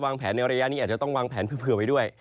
วางแผนในระยะนี้อาจจะต้องวางแผนเผื่อไว้ด้วย